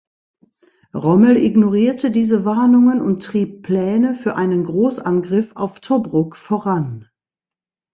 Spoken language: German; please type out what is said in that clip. Rommel ignorierte diese Warnungen und trieb Pläne für einen Großangriff auf Tobruk voran.